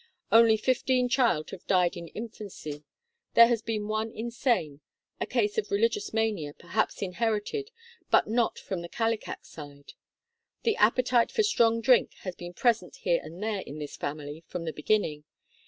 Only fifteen children have died in in fancy. There has been one "insane,*' a case of religious mania, perhaps inherited, but not from the Kallikak side. The appetite for strong drink has been present here and there in this family from the beginning.